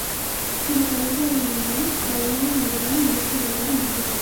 சில கைகளாயினும் வல்லான் ஒருவன் இயக்கிவிட முடியும்.